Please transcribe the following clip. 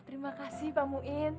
terima kasih pak muin